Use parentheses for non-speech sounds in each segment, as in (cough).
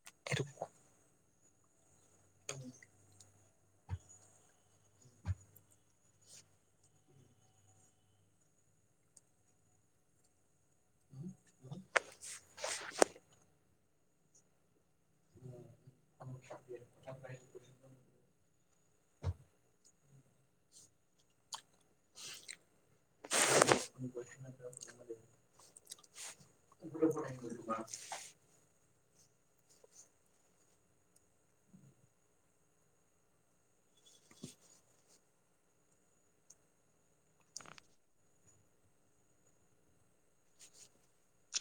(inaudible) (unintelligible) (inaudible)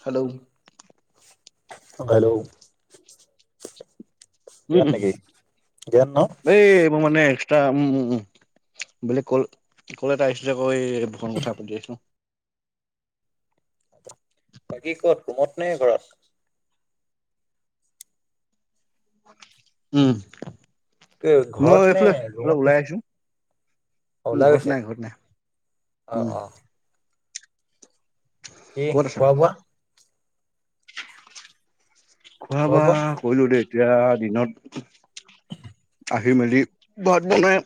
Hello. Hello. উম জ্ঞান উম নেকি জ্ঞান ন? এই এইবোৰ মানে। এটা উমউ, বোলে কল কল এটা আহিছ কৈ ভখন কথা পাতি আছো। বাকী কত ৰুমত নে ঘৰত? উম কি মই ঘৰত নে এইফাল ৰুমত অলপ ওলাই কৈছা? আছো। অ ওলাই ঘৰত গৈছা নাই ঘৰত নাই, অ উম। অ বাকী ক'ত আছা খোৱা-বোৱা? খোৱা বোৱা কৰিলো দেই এতিয়া দিনত। আহি মেলি ভাত বনাই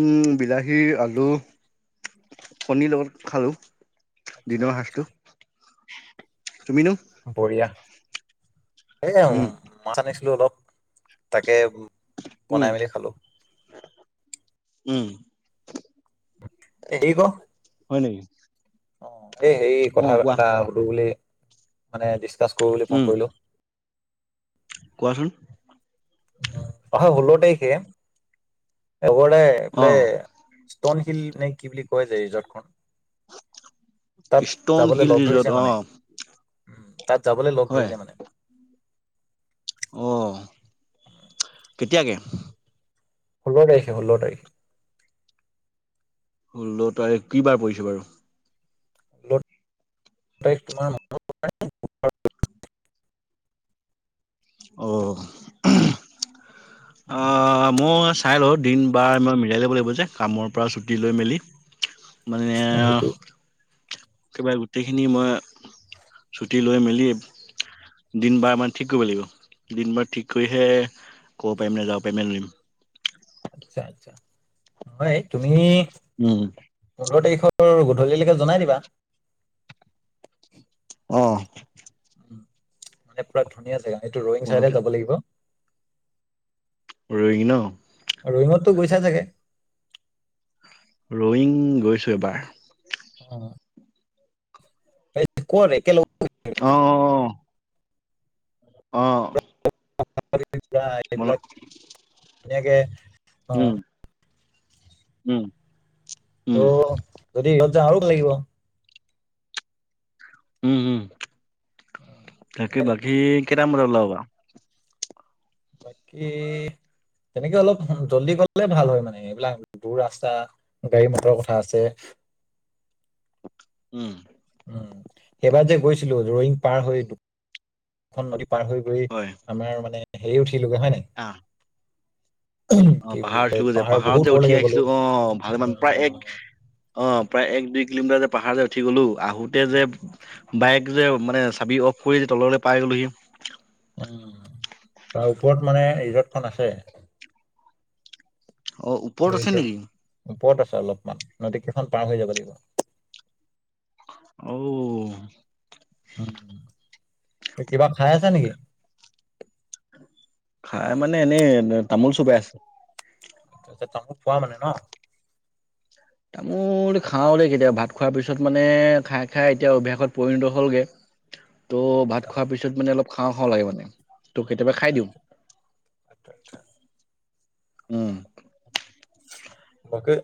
উম বিলাহী আলু কনীৰ লগত খালো। আচ্ছা দিনৰ আচ্ছা। সাজটো, তুমিনো? বঢ়িয়া, এ উম মাছ আনিছিলো অলপ তাকে বো উম উম। এটি গ। হয় নেকি। অ এই হে অ কথা কোৱা এটা সুধো বুলি মানে ডিচকাচ কৰো বুলি ফোন উম কৰিলো। কোৱাচোন? আহা হোল্ল তাৰিখে এগবদাই অ এইফালে ষ্টনশিল নে কি বুলি কোৱা যে ৰিজৰ্টখন তাত ষ্টন যাবলে হিল লগ ৰিজৰ্ট ধৰিছে অ মানে। উম, তাত যাবলে লগ হয় ধৰিছে মানে। অ। কেতিয়াকে? ষোল্ল তাৰখে ষোল্ল তাৰিখে। ষোল্ল তাৰিখ কি বাৰ পৰিছে বাৰু? (unintelligible) তাৰিখ তোমাৰ মানত অহ। অঁ মই চাই লওঁ দিন বাৰ মই মিলাই ল'ব লাগিব যে কামৰ পৰা ছুটি লৈ মেলি। মানে অ আ সেইটো একেবাৰে গোটেইখিনি মই ছুটি লৈ মেলি দিন বাৰ মান ঠিক কৰিব লাগিব, দিন বাৰ ঠিক কৰিহে ক'ব পাৰিম নে যাব পাৰিম নে নোৱাৰিম। আচ্ছা আচ্ছা, হয় তুমি উম। পোন্ধৰ তাৰিখৰ গধূলিলেকে জনাই দিবা। অঁহ। উম মানে পোৰা ধুনীয়া জেগা, এইটো ৰয়িং চাইডে যাব লাগিব। ৰইং ন? ৰইংট তো গৈছা চাগে? ৰইং গৈছোঁ এবাৰ। অঁ। (unintelligible) অঁ অঁ অঁ অঁ। অঁ। (unintelligible) এইবিলাক ধুনীয়াকে অঁ। উম উম। উম ৰ যদি ইহঁত যায় আৰু ভাল লাগিব। উম উম, তাকে বাকী কেইটামান বজাত ওলাব বাও? বাকী তেনেকে অলপ জল্দি গলে ভাল হয় মানে এইবিলাক দূৰ ৰাস্তা। গাড়ী মটৰৰ কথা আছে। উম। উম সেইবাৰ যে গৈছিলো ৰইং পাৰ হৈ দুখন নদী পাৰ হৈ গৈ আমাৰ মানে হেৰি উঠিলোগে হয় নাই আ। অ কি বুলি পাহাৰত কয় উঠিলোগে যে, পাহাৰ বহুত পাহাৰত যে উঠি ওপৰলৈকে গ'লো। আহিছিলো অঁ ভালেমান প্ৰায় এক অ প্ৰায় এক দুই কিলোমিটাৰ যে পাহাৰ যে উঠি গলো, আহোতে যে বাইক যে মানে চাবি অফ কৰি যে তললে পায় গলোহি। উম তাৰ ওপৰত মানে ৰিজৰ্টখন আছে। অঁ উপ অ ৰিজৰ্ট ওপৰত আছে অলপমান, নদীকেইখন পাৰ হৈ যাব লাগিব। ঔ ঔ। উম, তই কিবা খায় আছা নেকি? খায় মানে এনেই তামোল চোবাই আছো। (inaudible) তামুল খোৱা মানে ন? তামোল খাওঁ দেই কেতিয়াবা, ভাত খোৱাৰ পিছত মানে খায় খায় এতিয়া অভ্যাসত পৰিণত হ'লগে। ত' ভাত আচ্ছা, খোৱাৰ পিছত মানে অলপ খাওঁ খাওঁ লাগে মানে। ত কেতিয়াবা আচ্ছা, খায় দিওঁ, আচ্ছা। আচ্ছা, আচ্ছা। উম। বাকী,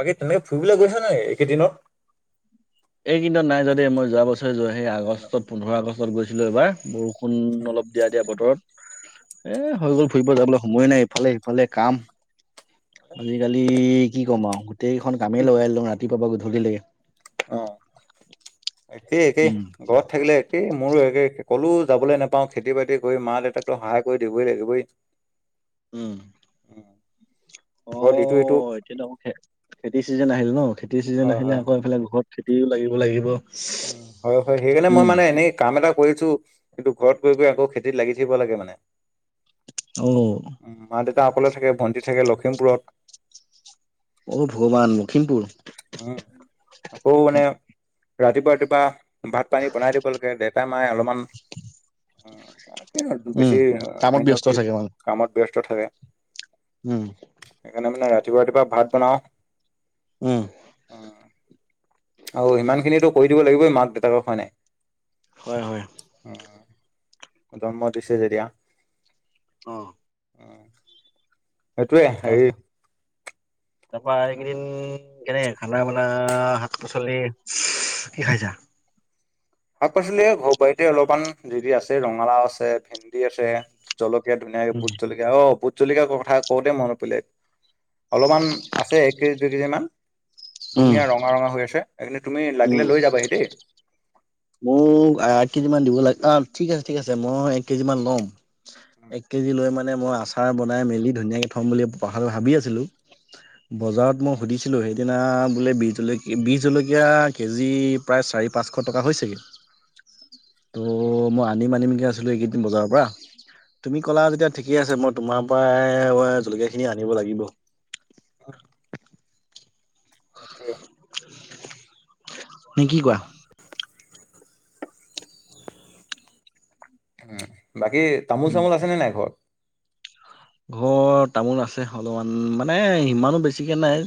বাকী তেনেকে ফুৰিবলে গৈছ নাই এইকেইদিনত? এইকেইদিনত নাই যোৱা দেই, মই যোৱা বছৰে যোৱা সেই নাজানো। আগষ্টত পোন্ধৰ আগষ্টত গৈছিলো এইবাৰ বৰষুণ অলপ দিয়া দিয়া বতৰত, এ হৈ গ'ল ফুৰিব যাবলৈ সময় নাই ইফালে সিফালে কাম। আজিকালি কি ক'ম আও, গোটেইখন কামেই উম, লগাই ললো ৰাতিপুৱা পৰা গধূলি লেকে। অ' একেই একেই উম। ঘৰত থাকিলে এই মোৰো একে, কলও যাবলৈ নাপাও, খেতি-বাতি কৰি মা-দেউতাকটো সহায় কৰি দিব লাগিবই। উম। অ' ঘৰত ইটো সিটো এতিয়াটো খেতিৰ চিজন আহিল ন, খেতিৰ চিজন হয়, আহিলে হয়। আকৌ এইফালে ঘৰত খেতিও লাগিব লাগিব। উম হয় হয়, সেইকাৰণে মই উম মানে এনেই কাম এটা কৰিছোঁ, কিন্তু ঘৰত কৰি কৰি আকৌ খেতিত লাগি থাকিব লাগে মানে। উম। মা-দেউতা অকলে থাকে, ভণ্টি থাকে লখিমপুৰত। অ' ভগৱান! লখিমপুৰ। উম'। আকৌ মানে ৰাতিপুৱা ৰাতিপুৱা ভাত-পানী বনাই দিব লাগে। দেউতাই-মায়ে অলমান অ'। উম। কামত ব্যস্ত (unintelligible) চাগে মানে কামত ব্যস্ত থাকে। উম সেইকাৰণে মানে ৰাতিপুৱা ৰাতিপুৱা ভাত বনাওঁ। উম'। অ'। আৰু সিমান খিনিতো কৰি দিব লাগিবই, মাক-দেউতাকক হয় নাই। হয় হয়। জন্ম দিছে যেতিয়া। অ'। উম, সেইটোৱে, তাৰ হেৰি তাৰপা এইকেইদিন কেনেকে খানা বানা শাক-পাচলি কি খাইছা? শাক-পাচলি এই ঘৰ বাৰীতে অলপমান জিৰি আছে। ৰঙালাও আছে, ভেন্দি আছে। জলকীয়া ধুনীয়াকে ভোট জলকীয়া অ' ভোট কথা কওঁতে মনত পৰিলে। অলপমান আছে, এক কেজি-দুই কেজিমান উম ধুনীয়া ৰঙা ৰঙা হৈ আছে। সেইকাৰণে তুমি লাগিলে লৈ যাবাহি দেই! মোক এক কেজি মান দিব, অ' ঠিক আছে, ঠিক আছে, মই এক কেজি মান লম। এক কেজি লৈ মানে মই আচাৰ বনাই মেলি ধুনীয়াকে থম বুলি (unintelligible) ভাবি আছিলো। বজাৰত মই সুধিছিলোঁ, সেইদিনা বোলে বি জল বি জলকীয়া, কেজি প্ৰায় চাৰি-পাঁচশ টকা হৈছেগৈ। ত' মই আনিম আনিমকে আছিলো এইকেইদিন বজাৰৰ পৰা। তুমি ক'লা যেতিয়া ঠিকে আছে, মই তোমাৰ পৰাই জলকীয়া খিনি আনিব লাগিব। (unintelligible) সেইটোৱে। নে কি কোৱা! বাকী তামোল-চামোল আছেনে নাই ঘৰত? ঘৰত তামোল আছে অলপমান মানে ইমানো বেছিকে নাই।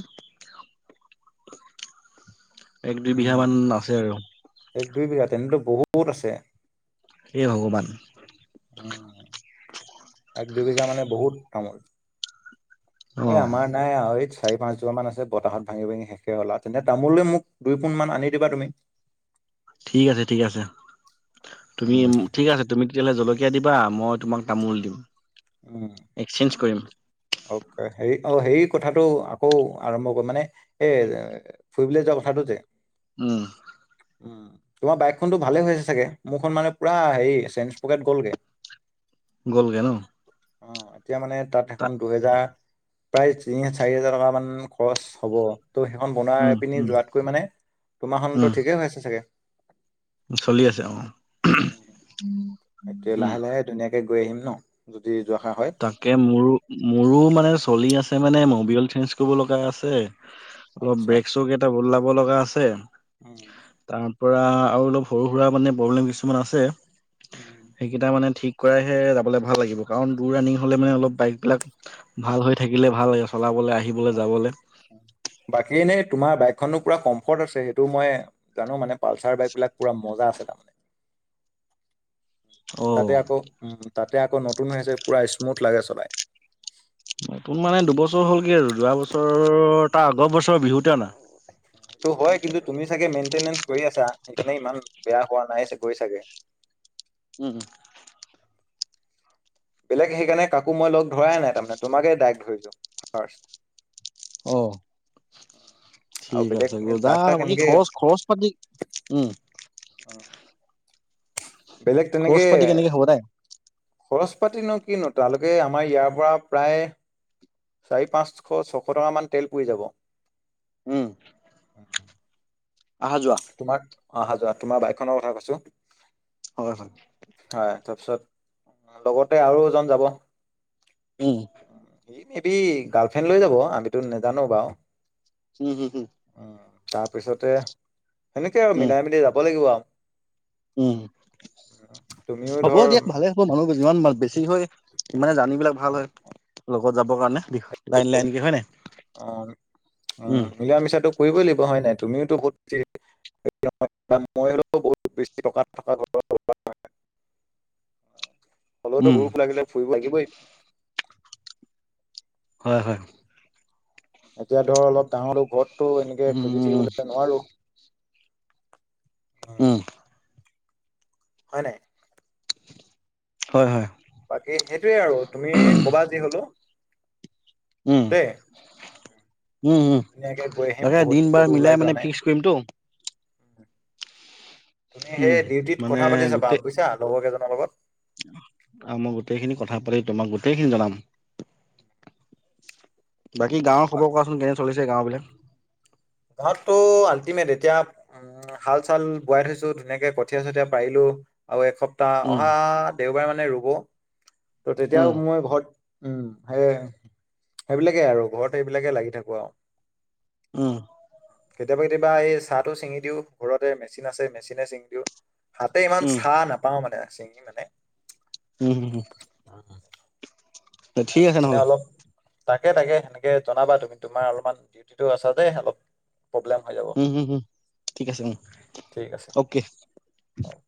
এক দুই বিঘা মান আছে আৰু। এক-দুই বিঘা তেন্তে বহুত বহুত আছে। হে ভগৱান! উম, এক-দুইবিঘা মানে বহুত তামোল। এ অ'। আমাৰ নাই আও (unintelligible) চাৰি পাঁচজোপা মান আছে, বতাহত ভাঙি ভাঙি শেষে হল। তেন্ত তামোলো মোক দুই পোন মান আনি দিবা তুমি। ঠিক আছে, ঠিক আছে। তুমি, উম ঠিক আছে। তুমি তেতিয়াহ'লে জলকীয়া দিবা, মই তোমাক তামোল দিম। উম। এক্সচেঞ্জ কৰিম। অকে। হেৰি অ' হেৰি কথাটো আকৌ আৰম্ভ কৰো মানে এ- ফুৰিবলৈ যোৱা কথাটো যে। উম। (unintelligible) তোমাৰ বাইকখনতো ভালে আছে চাগে, মোৰখন মানে পুৰা হেৰি চেন্সপকেট গ'লগে। গ'ল গৈ ন? অ', এতিয়া মানে তা'ত- তা এখন দুহেজাৰ, প্ৰায় তিনি-চাৰি হেজাৰ টকা মান খৰচ হ'ব। ত' সেইখন উম বনাই পিনি উম যোৱাতকৈ মানে উম তোমাৰখনটো ঠিকেই হৈ আছে চাগে। চলি আছে অঁ',। উম, এতিয়া উম লাহে-লাহে ধুনীয়াকে গৈ আহিম ন' যদি যোৱাটো হয়। তাকে মোৰো, মোৰো মানে চলি আছে মানে মবিল চেঞ্জ কৰিব লগা আছে। অলপ আচ্ছা ব্ৰেক স্ব কেইটা বদলাব লগা আছে, উম তাৰ- পৰা আৰু অলপ সৰু-সুৰা মানে প্ৰব্লেম কিছুমান আছে, উম সেইকেইটা মানে ঠিক- শুকুৰবাৰে হে যাবলৈ ভাল লাগিব, কাৰণ অলপ দূৰ ৰানিং হ'লে মানে অলপ বাইকবিলাক ভাল হৈ থাকিলে ভাল হয় চলাবলৈ, আহিবলৈ, যাবলৈ। বাকী' এনেই তোমাৰ বাইকখনতো পুৰা কমফৰ্ট আছে, সেইটো মই- জানো মানে পালচাৰ বাইক বিলাক পুৰা মজা আছে। তাৰ মানে (inaudible) তা'তে আকৌ, উম' তা'তে আকৌ নতুন হৈ আছে পুৰা স্মুথ লাগে চলাই। নতুন মানে দুবছৰ হ'লগে আৰু, যোৱা বছৰ তাৰ আগৰ বছৰৰ বিহুতে আনা। এইটো হয়, কিন্তু তুমি চাগে মেইনটেনেন্ঞ্চ কৰি আছা সেইকাৰণে ইমান বেয়া হোৱা নাই গৈ চাগে। উম। বেলেগ সেইকাৰণে কাকো মই লগ ধৰাই নাই তাৰমানে তোমাকে ডাইৰেক্ট‌ ধৰিলোঁ ফাষ্ট। অ'। (unintelligible) ঠিক বেলেগ আছে। যাক বজাৰ বুলি তাক বাকী' এনেকে খৰচ-খৰচ পাতি, উঁম। অঁ', -অঁ',। খৰচ পাতি কেনেকে হ'ব দাই? খৰচ পাতি নো কিনো তালৈকে আমাৰ ইয়াৰ পৰা প্ৰায়- চাৰি, পাঁচশ, ছশ টকামান তেল পুৰা হৈ যাব। উমঁ, আহা যোৱা। তোমাক অহা যোৱা, তোমাক বাইকখনৰ কথা কৈছো। হয়-হয়। হয়, তাৰপিছত লগতে আৰু এজন যাব। উমঁ। সিহঁতে গাৰ্লফ্ৰেণ্ড লৈ যাব, আমিতো নাজানো বাৰু। উম-উম। উম, তাৰপিছতে এনেকৈ আৰু মিলাই মিলি যাব লাগিব আৰু। উমঁ, উম, তুমিও হ'ব ধৰ দিয়ক ভালে হ'ব। মানুহ যিমান বেছি হয় ইমানে জাৰ্নি বিলাক অ', ভাল হয় লগত যাবৰ কাৰণে। লাইন লাইনকে হয় নাই অ, অ, উম, মিলা মিছাটো কৰিবই লাগিব হয় নাই, তুমিওতো (unintelligible) (inaudible) হ'লেতো (unintelligible) হয়, হয়। এতিয়া ধৰ, অলপ ডাঙৰো, ঘৰতটো এনেকে উম, খুজি উম, থাকিবলৈ নোৱাৰো। উম। হয় নাই! হয়, হয়। বাকী, সেইটোয়ে আৰু, তুমি ক'বা যি হ'লেও। উম। দেই। উম, উম, ধুনীয়াকে গৈ আহিম, তাকে বহুত দিন বাৰ ক'তো মিলাই ওলাই যোৱা মানে নাই। ফিক্স কৰিমতো তুমি সেই উম, ডিউটিত মানে কথা পাতি চাবা, বুজিছা, লগৰ কেইজনৰ লগত। অ, মই গোটেই খিনি পাতি, তোমাক গোটেই খিনি জনাম। বাকী, গাঁওৰ খবৰ কোৱাচোন, কেনে চলিছে গাও বিলাক? গাঁৱতটো আল্টিমেট, এতিয়া উম, হাল-চাল বোৱাই থৈছো, ধুনীয়াকে কঠীয়া-চঠিয়া পাৰিলো, আৰু এসপ প্তাহ, উম, অহা দেওবাৰে মানে ৰুব। ত', তেতিয়া আৰু উম, মই ঘৰত উম, সেয়াই, সেইবিলাকে আৰু, ঘৰত সেইবিলাকে লাগি থাকো আৰু। উম। কেতিয়াবা-কেতিয়াবা এই চাহটো ছিঙি দিও, ঘৰতে মেচিন আছে, মেচিনে ছিঙি দিও। হাতে ইমান চাহ উম, নাপাও মানে চিঙি মানে। উম, হু, হু। এ আছে মেচিনে নহ'লে অলপ তাকে, তাকে, জনাবা তুমি? তোমাৰ অলপমান ডিউটিটো আছে দেই হাতত। প্ৰব্লেম হৈ যাব, উম, উম, উম, ঠিক আছে উম, ঠিক আছে। হ'ব।